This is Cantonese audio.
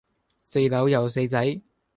四樓有四仔